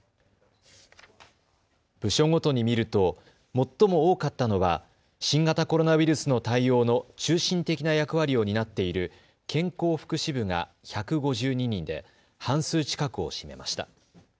部署ごとに見ると最も多かったのは新型コロナウイルスの対応の中心的な役割を担っている健康福祉部が１５２人で半数近くを占めました。